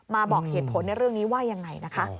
บอกเหตุผลในเรื่องนี้ว่ายังไงนะคะ